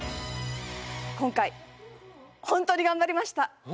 今回ホントに頑張りました。